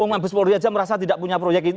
mabeswori aja merasa tidak punya proyek itu